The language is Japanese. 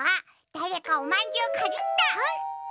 だれかおまんじゅうかじった！